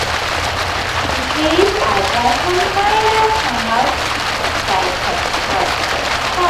The trees are threatened by the fungus Phytophthora taxon Agathis.